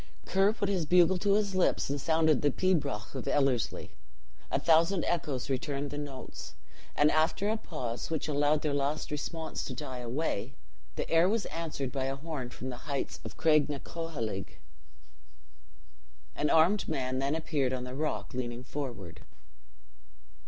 Ker put his bugle to his lips, and sounded the pibroch of Ellerslie. A thousand echoes returned the notes; and after a pause, which allowed their last response to die away, the air was answered by a horn from the heights of Cragnacoheilg. An armed man then appeared on the rock, leaning forward.